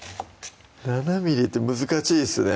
７ｍｍって難しいですね